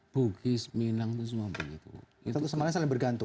bugis minang semua berani